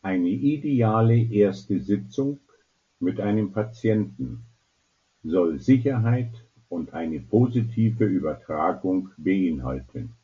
Eine ideale erste Sitzung mit einem Patienten soll Sicherheit und eine positive Übertragung beinhalten.